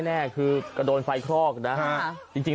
โอเคคันเอาลง